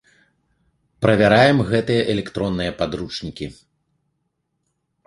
Правяраем гэтыя электронныя падручнікі.